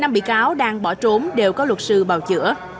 năm bị cáo đang bỏ trốn đều có luật sư bào chữa